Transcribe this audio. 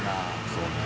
そうね。